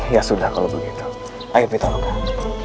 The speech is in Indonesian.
ya sudah kalau begitu ayo minta tolong